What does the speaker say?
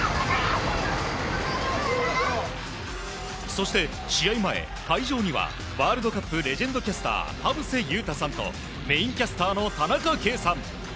そして、試合前、会場には、ワールドカップレジェンドキャスター、田臥勇太さんと、メインキャスターの田中圭さん。